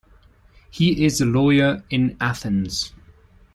He is a lawyer in Athens.